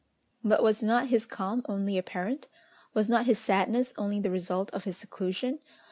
But was not his calm only apparent? Was not his sadness only the result of his seclusion?